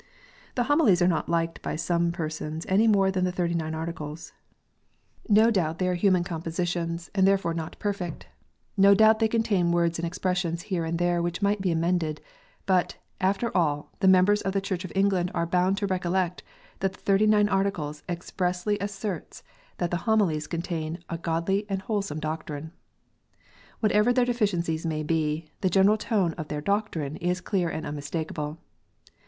The Homilies are not liked by some persons any more than the Thirty nine Articles. No doubt they are human composi PRAYER BOOK STATEMENTS : REGENERATION. 149 tions, and therefore not perfect; no doubt they contain words and expressions here and there which might be amended; but, after all, the members of the Church of England are bound to recollect that the Thirty fifth Article expressly asserts that the Homilies contain " a godly and wholesome doctrine." Whatever their deficiencies may be, the general tone of their doctrine is clear and unmistakable.